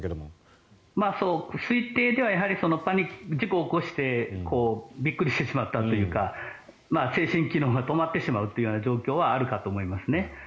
推定では事故を起こしてびっくりしてしまったというか精神機能が止まってしまうという状況はあるかと思いますね。